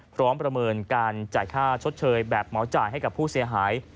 ประเมินการจ่ายค่าชดเชยแบบเหมาจ่ายให้กับผู้เสียหาย